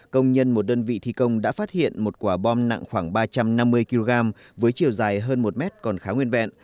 công nhân một đơn vị thi công đã phát hiện một quả bom nặng khoảng ba trăm năm mươi kg với chiều dài hơn một mét còn khá nguyên vẹn